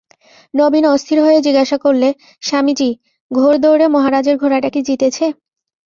নবীন অস্থির হয়ে জিজ্ঞাসা করলে, স্বামীজি, ঘোড়দৌড়ে মহারাজার ঘোড়াটা কি জিতেছে?